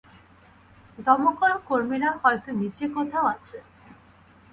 দমকল কর্মীরা হয়তো নিচে কোথাও আছে।